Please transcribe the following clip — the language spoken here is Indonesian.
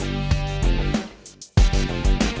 dateng jejitu aja